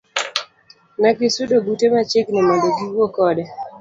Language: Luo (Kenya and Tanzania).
Negisudo bute machiegni mondo giwuo kode.